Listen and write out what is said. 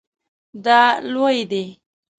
دا لوی دی